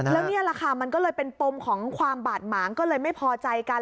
แล้วนี่แหละค่ะมันก็เลยเป็นปมของความบาดหมางก็เลยไม่พอใจกัน